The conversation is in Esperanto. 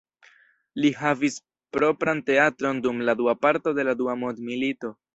Li havis propran teatron dum la dua parto de la dua mondmilito.